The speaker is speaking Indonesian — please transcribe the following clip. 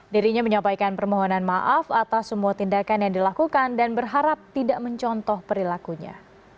dirinya menyampaikan permohonan maaf atas semua tindakan yang dilakukan dan berharap tidak mencontoh perilakunya